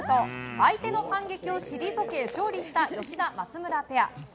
相手の反撃を退け勝利した吉田、松村ペア。